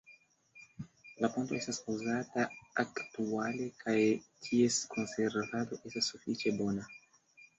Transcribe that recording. La ponto estas uzata aktuale kaj ties konservado estas sufiĉe bona.